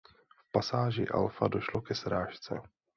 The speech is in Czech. V pasáži Alfa došlo ke srážce.